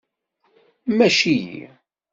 Mmac-iyi.